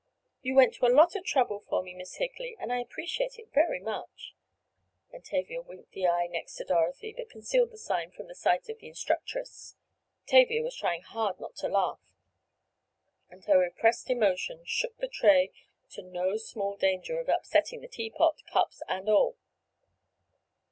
"You went to a lot of trouble for me, Miss Higley, and I appreciate it very much," and Tavia winked the eye next to Dorothy, but concealed the sign from the sight of the instructress. Tavia was trying hard not to laugh, and her repressed emotion shook the tray to the no small danger of upsetting the teapot, cups and all.